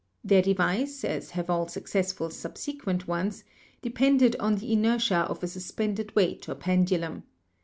Their device, as have all successful subsequent ones, depended on the inertia of a suspended weight or pendulum.